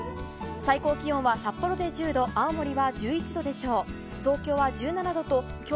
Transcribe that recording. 最高気温は札幌で１０度青森は１１度でしょう。